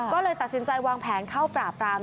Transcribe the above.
ก็เลยตัดสินใจวางแผนเข้าปราบราม